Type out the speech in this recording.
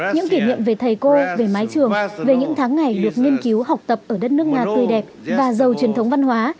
những kỷ niệm về thầy cô về mái trường về những tháng ngày được nghiên cứu học tập ở đất nước nga tươi đẹp và giàu truyền thống văn hóa